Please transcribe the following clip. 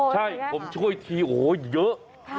ใช่ผมช่วยทีอย่างเยอะ